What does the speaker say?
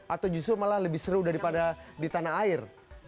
atau justru malah lebih seru daripada di tanah air